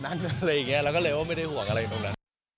หลวงมาเถอะ